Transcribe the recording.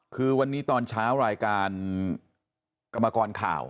คือวันนี้ตอนเช้ารายการกรรมกรข่าว